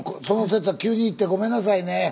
その節は急に行ってごめんなさいね。